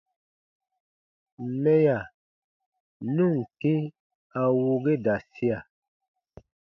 Mɛya nu ǹ kĩ a wuu ge da sia.